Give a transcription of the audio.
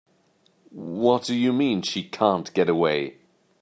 What do you mean she can't get away?